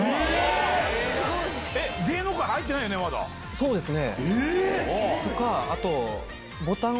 そうですね。